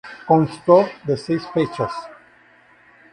Constó de seis fechas.